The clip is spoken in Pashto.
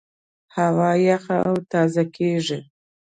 هوا یخه او تازه کېږي.